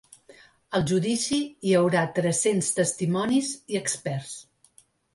Al judici hi haurà tres-cents testimonis i experts.